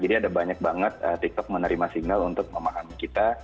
jadi ada banyak banget tiktok menerima signal untuk memahami kita